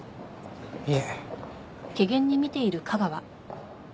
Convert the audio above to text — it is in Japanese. いえ。